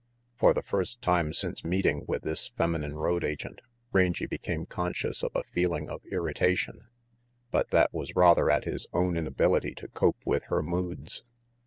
For the first time since meeting with this feminine road agent, Rangy became conscious of a feeling of irritation; but that was rather at his own inability to cope with her moods.